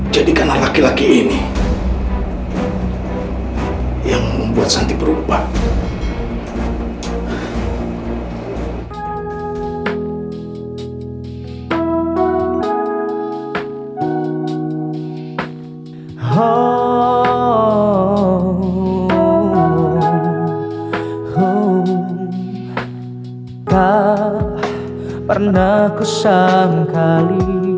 jadikanlah laki laki ini yang membuat santi berubah